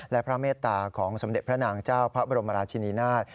และพระเมตตาของสมเด็จพระนางเจ้าพระบรมราชินีนาฏ